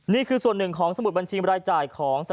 นี่คือส่วนหนึ่งของสมุดบัญชีมราย